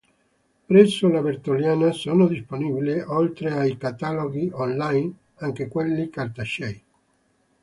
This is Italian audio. Presso la Bertoliana sono disponibili, oltre ai cataloghi on-line, anche quelli cartacei.